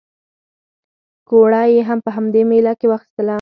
ګوړه یې هم په همدې مېله کې واخیستله.